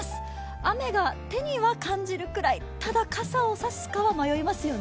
雨が手には感じるくらい、ただ傘を差すかは迷いますね。